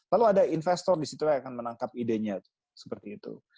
lalu ada investor di situ yang akan menangkap idenya seperti itu